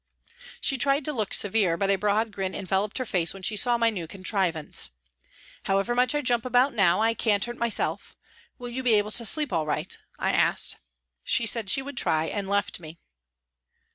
She tried to look severe, but a broad grin enveloped her face when she saw my new contrivance. " However much I jump about now, I can't hurt myself. Will you be able to sleep all right ?" I asked. She said she would try, and left me.